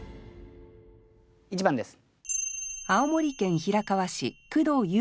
１番です。